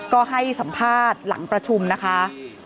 ก็ให้สัมภาษณ์หลังประชุมนะคะ